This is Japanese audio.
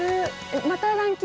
またランキング！